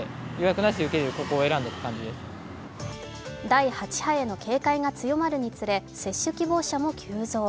第８波への警戒が強まるにつれ接種希望者も急増。